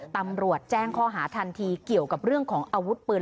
ตำรวจแจ้งข้อหาทันทีเกี่ยวกับเรื่องของอาวุธปืน